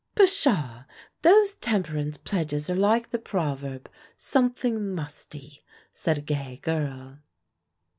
"Pshaw! those temperance pledges are like the proverb, 'something musty,'" said a gay girl.